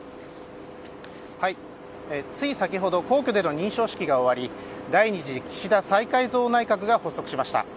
つい先ほど皇居での認証式が終わり第２次岸田再改造内閣が発足しました。